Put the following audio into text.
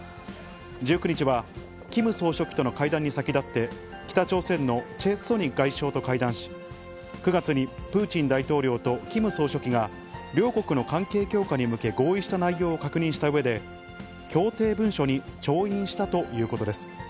１９日はキム総書記との会談に先立って、北朝鮮のチェ・ソニ外相と会談し、９月にプーチン大統領とキム総書記が、両国の関係強化に向け、合意した内容を確認したうえで、協定文書に調印したということです。